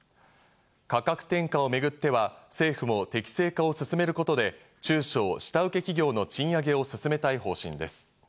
価格転嫁をめぐっては政府も適正化を進めることで、中小下請け企業の賃上げを進めたい方針です。